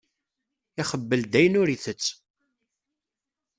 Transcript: Ixebbel-d ayen ur itett.